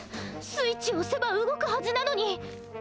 スイッチをおせば動くはずなのに！